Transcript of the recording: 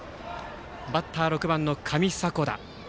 バッターは６番の上迫田。